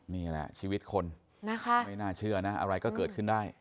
นี่แหละชีวิตคนนะคะไม่น่าเชื่อนะอะไรก็เกิดขึ้นได้